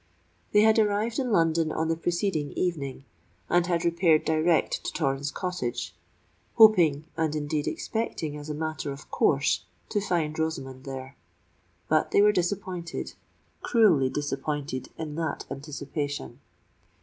They had arrived in London on the preceding evening, and had repaired direct to Torrens Cottage, hoping—and, indeed, expecting as a matter of course—to find Rosamond there. But they were disappointed—cruelly disappointed that anticipation!